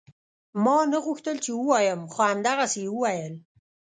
ما نه غوښتل چې ووايم خو همدغسې يې وويل.